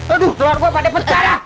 aduh telor gua pada pecah lah